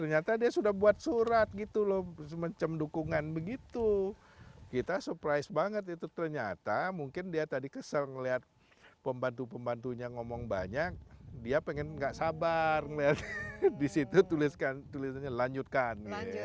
ternyata dia sudah buat surat gitu loh semacam dukungan begitu kita surprise banget itu ternyata mungkin dia tadi kesel ngeliat pembantu pembantunya ngomong banyak dia pengen gak sabar melihat disitu tulisannya lanjutkan